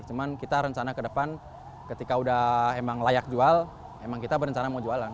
cuma kita rencana ke depan ketika sudah layak jual memang kita berencana mau jualan